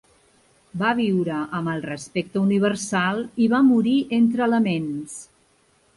Va viure amb el respecte universal i va morir entre laments.